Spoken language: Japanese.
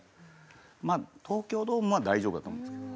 まあ東京ドームは大丈夫だと思うんですけど。